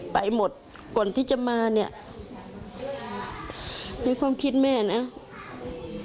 ไปหมดก่อนที่จะมาเนี่ยในความคิดแม่นะ